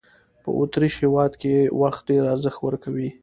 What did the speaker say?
په اوترېش هېواد کې وخت ډېر ارزښت ورکوي.